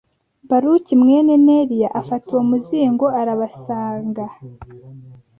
Baruki mwene Neriya afata uwo muzingo arabasanga